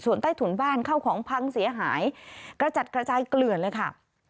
ส่วนใต้ถุนบ้านเข้าของพังเสียหายกระจัดกระจายเกลือนเลยค่ะ